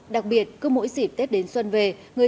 đặc biệt cứ mỗi dịp tết đến xuân về